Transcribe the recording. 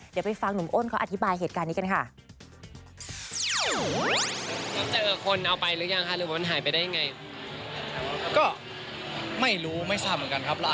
เดี๋ยวไปฟังหนุ่มอ้นเขาอธิบายเหตุการณ์นี้กันค่ะ